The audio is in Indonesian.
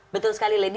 betul sekali lady